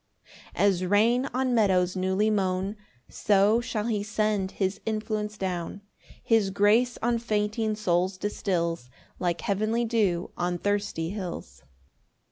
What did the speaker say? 4 As rain on meadows newly mown So shall he send his influence down; His grace on fainting souls distils Like heavenly dew on thirsty hills.